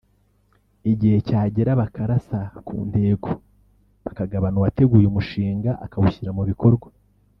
igihe cyagera bakarasa ku ntego bakagabana uwateguye umushinga akawushyira mu bikorwa